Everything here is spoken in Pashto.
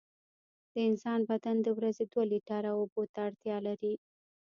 د انسان بدن د ورځې دوه لېټره اوبو ته اړتیا لري.